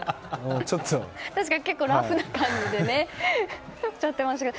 確かに結構、ラフな感じで映ってましたけど。